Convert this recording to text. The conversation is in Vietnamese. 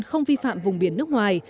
không vi phạm vùng biển nước ngoài